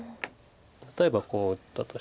例えばこう打ったとして。